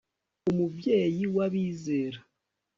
umubyeyi w'abizera